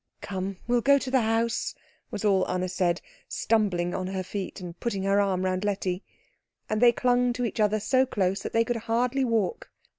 "Come, we'll go to the house," was all Anna said, stumbling on to her feet and putting her arm round Letty. And they clung to each other so close that they could hardly walk.